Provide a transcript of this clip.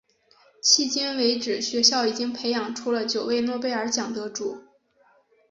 迄今为止学校已经培养出了九位诺贝尔奖得主。